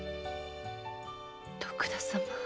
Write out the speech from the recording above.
徳田様。